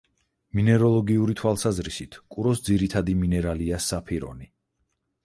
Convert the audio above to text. მინეროლოგიური თვალსაზრისით, კუროს ძირითადი მინერალია: საფირონი.